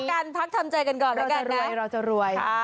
ไปพักกันพักทำใจกันก่อนละกันนะรอจะรวย